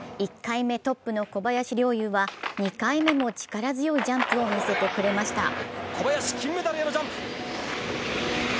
１回目トップの小林陵侑は２回目も力強いジャンプを見せてくれました。